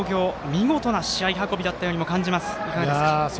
見事な試合運びだったように感じます。